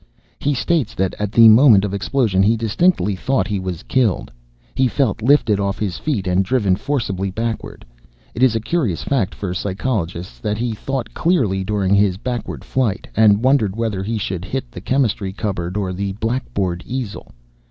He states that at the moment of the explosion he distinctly thought he was killed. He felt lifted off his feet and driven forcibly backward. It is a curious fact for psychologists that he thought clearly during his backward flight, and wondered whether he should hit the chemistry cupboard or the blackboard easel.